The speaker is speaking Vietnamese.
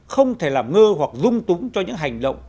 không thể làm ngơ hoặc dung túng cho những hành động